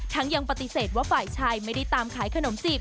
ยังปฏิเสธว่าฝ่ายชายไม่ได้ตามขายขนมจีบ